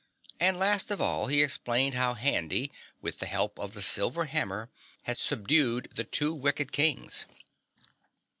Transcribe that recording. And last of all he explained how Handy, with the help of the silver hammer, had subdued the two wicked Kings.